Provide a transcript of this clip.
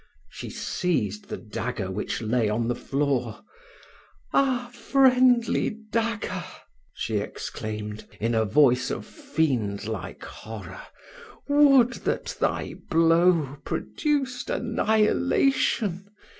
She seized the dagger which lay on the floor. "Ah! friendly dagger," she exclaimed, in a voice of fiend like horror, "would that thy blow produced annihilation!